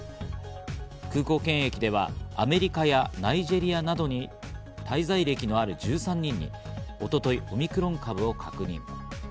空港検疫ではアメリカやナイジェリアなどに滞在歴のある１３人に一昨日、オミクロン株を確認。